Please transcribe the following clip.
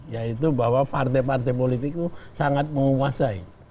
yaitu bahwa partai partai politik itu sangat menguasai